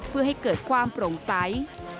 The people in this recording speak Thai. เพื่อให้เกิดความโปร่งใส